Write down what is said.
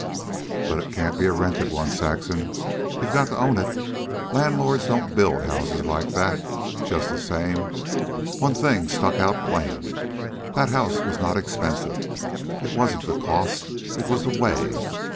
"But it can't be a rented one, Saxon. You've got to own it. Landlords don't build houses like that. Just the same, one thing stuck out plain: that house was not expensive. It wasn't the cost. It was the way.